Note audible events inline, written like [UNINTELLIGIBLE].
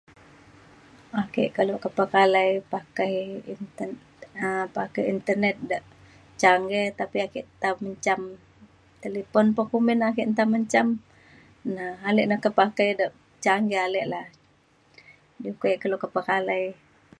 ake kelo ke pekalai pakai inter- um pakai internet dak canggih tapek ake nta menjam talipon pe kumbin ake nta menjam na ale na ke pakai de canggih ale la. [UNINTELLIGIBLE] kelo ke pekalai.